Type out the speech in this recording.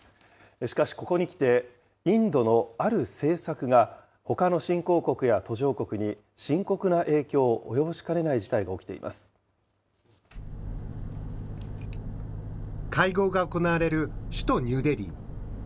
しかしここにきて、インドのある政策が、ほかの新興国や途上国に深刻な影響を及ぼしかねない事態が起きて会合が行われる首都ニューデリー。